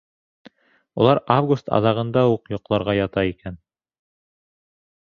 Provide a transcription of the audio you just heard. Улар август аҙағында уҡ йоҡларға ята икән.